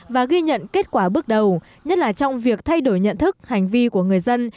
và ghi nhận kết quả bước đầu nhất là trong việc thay đổi nhận thức hành vi của người dân